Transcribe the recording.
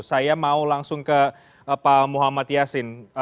saya mau langsung ke pak muhammad yasin